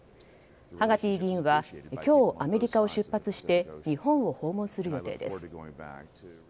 ハガティ議員は今日アメリカを出発して日本を訪問する予定です。